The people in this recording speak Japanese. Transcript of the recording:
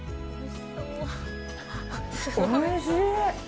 おいしい！